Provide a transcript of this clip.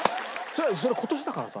それ今年だからさ。